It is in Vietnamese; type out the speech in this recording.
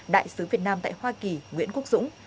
đại sứ việt nam tại hoa kỳ nguyễn quốc dũng